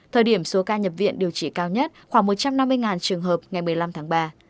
thời điểm số ca nhập viện điều trị cao nhất khoảng một trăm năm mươi trường hợp ngày một mươi năm tháng ba